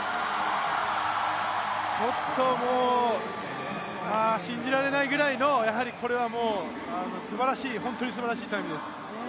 ちょっともう信じられないぐらいの本当にすばらしいタイムです。